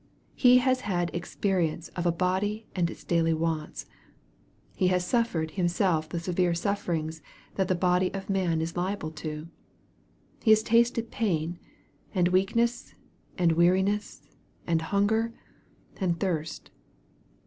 He has had ex perience of a body and its daily wants He has suffered, Himself the severe sufferings that the body of man is liable to. He has tasted pain, and weakness, and weari ness, and hunger, and thirst.